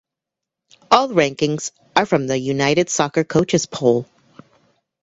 All rankings are from the United Soccer Coaches Poll.